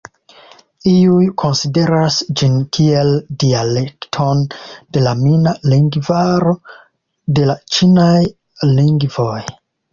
Iuj konsideras ĝin kiel dialekton de la mina lingvaro de la ĉinaj lingvoj.